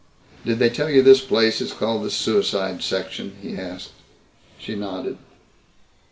"Did they tell you this place is called the suicide section?" he asked. She nodded.